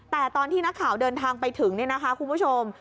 แต่ตอนที่นักข่าวเดินทางไปถึงเนี่ยนะคะคุณผู้ชม